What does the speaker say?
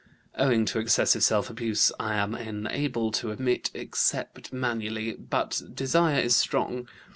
"Owing to excessive self abuse, I am unable to emit except manually, but desire is strong.